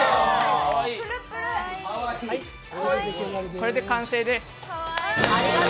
これで完成です。